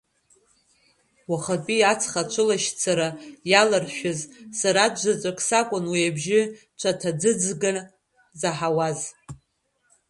Уахатәи аҵх аҵәылашьцара иаларшәыз, сара аӡәзаҵәык сакәын уи абжьы цәаҭарӡыӡага заҳауаз.